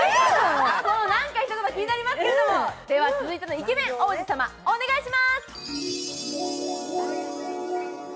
その何か一言気になりますけど、続いてのイケメン王子様、お願いします。